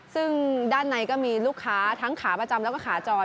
ซึ่งด้านในก็มีลูกค้าทั้งขาประจำแล้วก็ขาจร